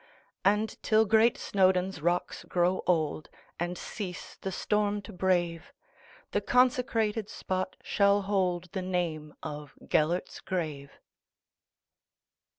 And, till great Snowdon's rocks grow old, And cease the storm to brave, The consecrated spot shall holdThe name of "Gêlert's Grave."